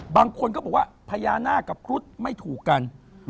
บางคนก็บอกว่าพญานาคกับครุฑไม่ถูกกัน